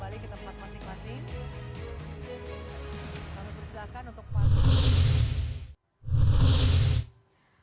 kita akan kembali kita perhatikan masing masing